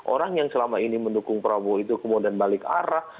orang yang selama ini mendukung prabowo itu kemudian balik arah